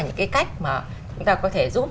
những cái cách mà chúng ta có thể giúp